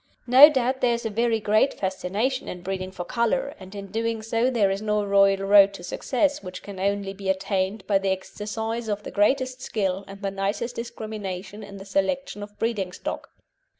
No doubt there is a very great fascination in breeding for colour, and in doing so there is no royal road to success, which can only be attained by the exercise of the greatest skill and the nicest discrimination in the selection of breeding stock.